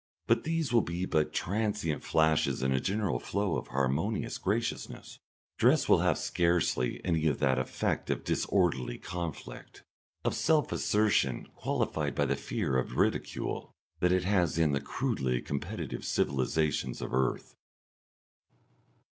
But these will be but transient flashes in a general flow of harmonious graciousness; dress will have scarcely any of that effect of disorderly conflict, of self assertion qualified by the fear of ridicule, that it has in the crudely competitive civilisations of earth.